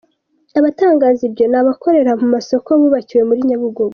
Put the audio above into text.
Abatangaza ibyo ni abakorera mu masoko bubakiwe muri Nyabugogo.